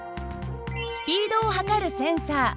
スピードを測るセンサー。